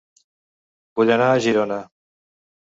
Vull anar a Girona